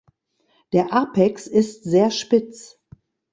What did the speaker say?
Der Apex ist sehr spitz.